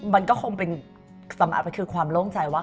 มันก็คงเป็นสำหรับมันคือความโล่งใจว่า